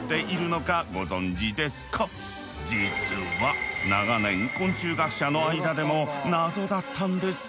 実は長年昆虫学者の間でも謎だったんです。